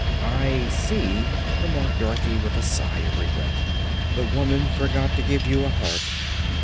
"I see," remarked Dorothy with a sigh of regret; "the woman forgot to give you a heart."